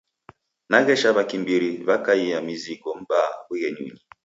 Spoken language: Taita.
Naghesha w'akimbiri w'akaia msigo m'baa w'ughenyunyi.